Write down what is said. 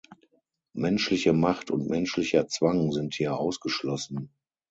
Menschliche Macht und menschlicher Zwang sind hier ausgeschlossen.